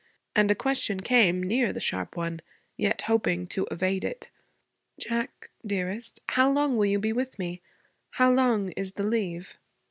And a question came, near the sharp one, yet hoping to evade it: 'Jack, dearest, how long will you be with me? How long is the leave?'